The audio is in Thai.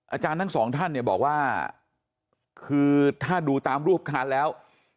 อาจารย์ทั้งสองท่านเนี่ยบอกว่าคือถ้าดูตามรูปทานแล้ว